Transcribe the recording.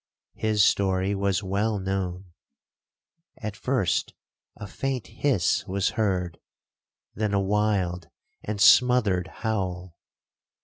His story was well known. At first a faint hiss was heard, then a wild and smothered howl.